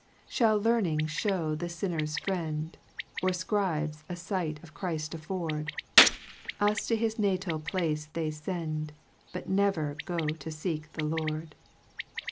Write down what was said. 3 Shall learning flicw the tinner's Friend, Or fciibes a Oght of Chrift afford ? Us to his natal place they fend, But never go to feek the Loud.